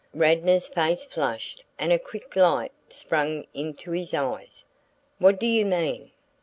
Radnor's face flushed and a quick light sprang into his eyes. "What do you mean?"